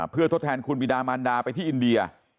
เพื่อทดแทนคุณบิดามันดาไปที่อินเดีย